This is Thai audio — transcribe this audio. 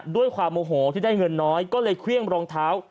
ด้วยความโมโหที่ได้เงินน้อยก็เลยเครื่องรองเท้า